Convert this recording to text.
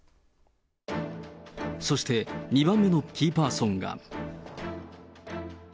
そして２番目のキーパーソンが。